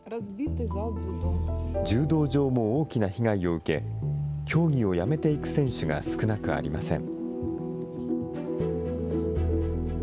柔道場も大きな被害を受け、競技をやめていく選手が少なくありません。